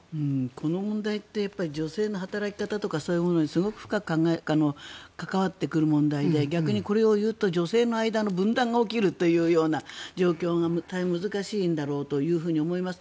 この問題って女性の働き方とかそういうものにすごく深く関わってくる問題で逆にこれを言うと女性の間の分断が起きるというような状況が大変難しいんだろうと思います。